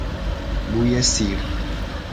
بوی سیر